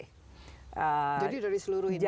jadi dari seluruh indonesia